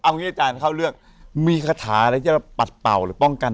เอาอย่างงี้อาจารย์เข้าเรื่องมีกระถาอะไรจะปัดเป่าหรือป้องกัน